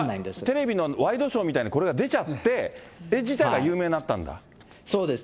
テレビのワイドショーみたいのにこれが出ちゃって、絵自体がそうです。